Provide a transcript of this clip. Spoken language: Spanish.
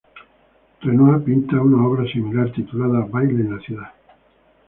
Renoir pinta una obra similar titulada "Baile en la ciudad"